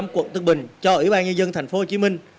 quận tân bình cho ủy ban nhân dân tp hcm